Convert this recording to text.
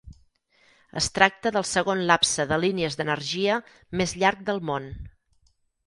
Es tracta del segon lapse de línies d'energia més llarg del món.